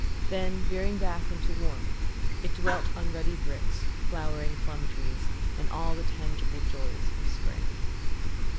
Then, veering back into warmth, it dwelt on ruddy bricks, flowering plum trees, and all the tangible joys of spring.